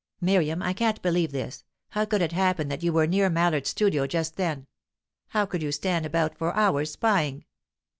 "Miriam, I can't believe this. How could it happen that you were near Mallard's studio just then? How could you stand about for hours, spying?"